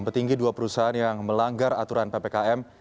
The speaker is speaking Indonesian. petinggi dua perusahaan yang melanggar aturan ppkm